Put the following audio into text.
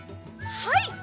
はい！